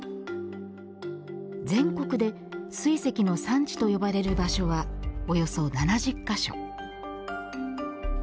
全国で水石の産地と呼ばれる場所はおよそ７０か所。